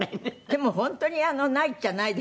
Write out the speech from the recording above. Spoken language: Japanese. でも本当にないっちゃない。